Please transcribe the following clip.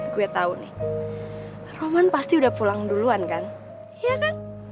gue tau nih rohman pasti udah pulang duluan kan iya kan